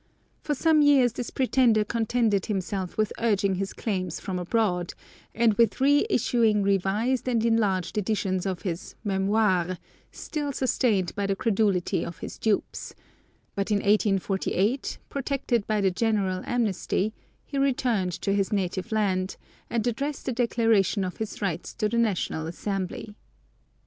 For some years this pretender contented himself with urging his claims from abroad, and with re issuing revised and enlarged editions of his Mémoires, still sustained by the credulity of his dupes; but in 1848, protected by the general amnesty, he returned to his native land, and addressed a declaration of his rights to the National Assembly.